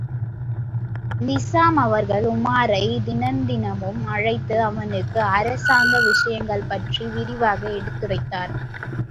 நிசாம் அவர்கள் உமாரைத் தினந் தினமும் அழைத்து அவனுக்கு அரசாங்க விஷயங்களைப் பற்றி விரிவாக எடுத்துரைத்தார்.